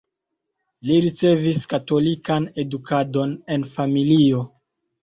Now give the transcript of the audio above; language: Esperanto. Li ricevis katolikan edukadon en familio.